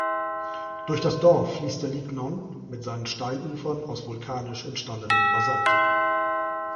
Durch das Dorf fließt der Lignon mit seinen Steilufern aus vulkanisch entstandenem Basalt.